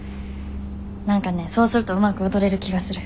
何かねそうするとうまく踊れる気がする。